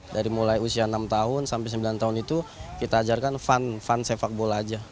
dari mulai usia enam tahun sampai sembilan tahun itu kita ajarkan fun fun sepak bola aja